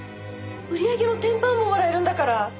売り上げの１０パーももらえるんだから。